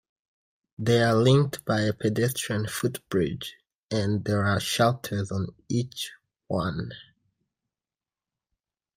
They are linked by a pedestrian footbridge and there are shelters on each one.